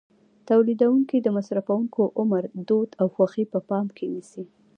تولیدوونکي د مصرفوونکو عمر، دود او خوښې په پام کې نیسي.